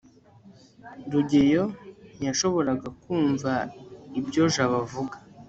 rugeyo ntiyashoboraga kumva ibyo jabo avuga